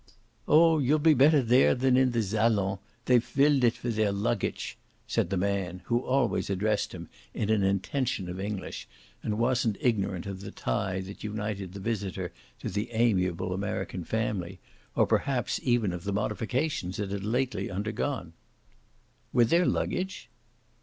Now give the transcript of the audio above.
"Oh you'll be better there than in the zalon they've villed it with their luccatch," said the man, who always addressed him in an intention of English and wasn't ignorant of the tie that united the visitor to the amiable American family, or perhaps even of the modifications it had lately undergone. "With their luggage?"